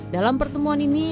dalam pertemuan ini